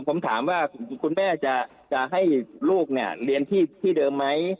ผมถามว่าคุณแม่จะให้ลูกเนี่ยเรียนที่เดิมไหม